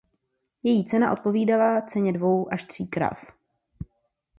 Její cena odpovídala ceně dvou až tří krav.